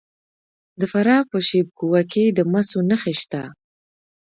د فراه په شیب کوه کې د مسو نښې شته.